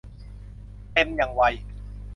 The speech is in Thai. เต็มอย่างไว